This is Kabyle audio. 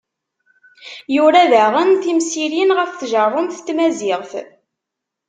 Yura daɣen timsirin ɣef tjerrumt n tmaziɣt.